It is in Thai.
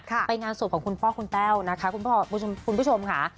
ค่ะเป็นงานส่วนของคุณพ่อคุณแต้วนะคะคุณพ่อคุณผู้ชมค่ะ